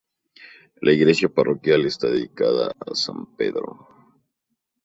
La iglesia parroquial está dedicada a San Pedro.